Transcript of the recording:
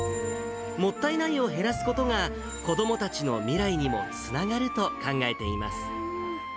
もったいないを減らすことが、子どもたちの未来にもつながると考えています。